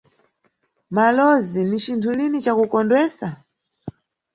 Malowozi ni cinthu lini cakukondwesa?